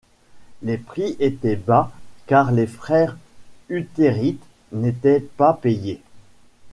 Les prix étaient bas car les frères huttérites n'étaient pas payés.